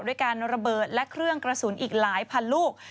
ด้วยการระเบิดและเครื่องกระสุนอีกหลายพันลูก